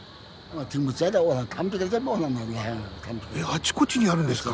あちこちにあるんですか。